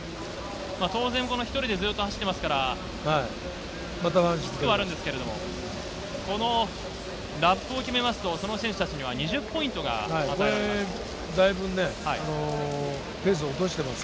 当然１人で走っていますから、きつくはあるんですけれど、ラップを決めますとその選手たちには２０ポイントが与えられます。